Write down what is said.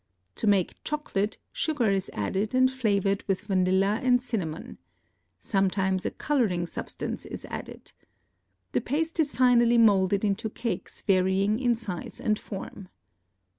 To make chocolate sugar is added and flavored with vanilla and cinnamon. Sometimes a coloring substance is added. The paste is finally moulded into cakes varying in size and form.